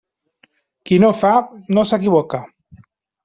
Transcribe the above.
Qui no fa, no s'equivoca.